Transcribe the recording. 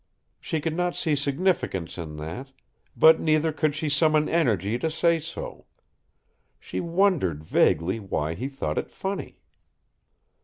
She could not see significance in that, but neither could she summon energy to say so. She wondered vaguely why he thought it funny.